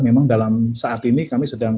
memang dalam saat ini kami sedang